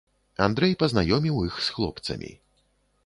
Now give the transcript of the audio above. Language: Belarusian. Андрэй пазнаёміў іх з хлопцамі.